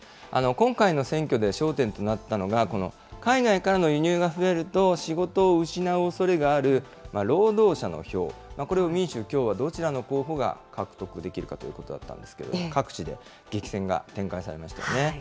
今回の選挙で焦点となったのが、この海外からの輸入が増えると、仕事を失うおそれがある労働者の票、これを民主、共和どちらの候補が獲得できるかということだったんですけれども、各地で激戦が展開されましたよね。